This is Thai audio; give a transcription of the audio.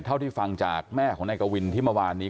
เท่าที่ฟังจากแม่ของนายกวินที่เมื่อวานนี้